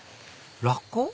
ラッコ？